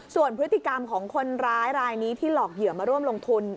ส่วนพฤติกรรมของคนร้ายรายนี้ที่หลอกเหยื่อมาร่วมลงทุน